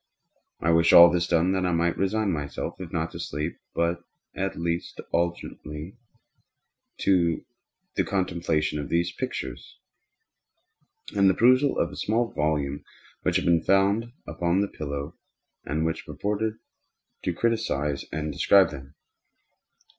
I wished all this done that I might resign myself, if not to sleep, at least alternately to the contemplation of these pictures, and the perusal of a small volume which had been found upon the pillow, and which purported to criticise and describe them.